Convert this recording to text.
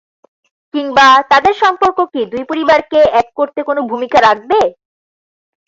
কিংবা তাদের সম্পর্ক কি দুই পরিবারকে এক করতে কোনো ভূমিকা রাখবে?